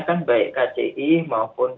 kan baik kci maupun